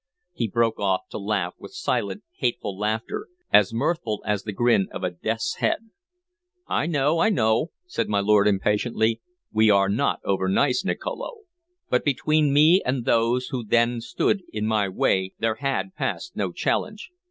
He broke off to laugh with silent, hateful laughter, as mirthful as the grin of a death's head. "I know, I know!" said my lord impatiently. "We are not overnice, Nicolo. But between me and those who then stood in my way there had passed no challenge.